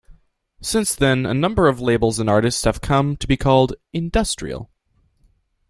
Since then, a number of labels and artists have come to be called "industrial".